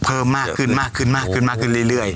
เพิ่มมากขึ้นมากขึ้นมากขึ้นมากขึ้นมากขึ้นเรื่อย